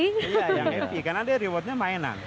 iya yang happy karena dia rewardnya mainan